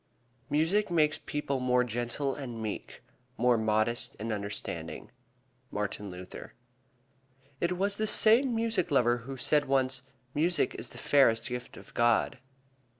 "Music makes people more gentle and meek, more modest and understanding." Martin Luther. It was this same music lover who said once, "Music is the fairest gift of God."